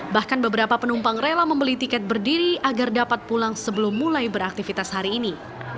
bahkan beberapa penumpang rela membeli tiket berdiri agar dapat pulang sebelum mulai beraktivitas hari ini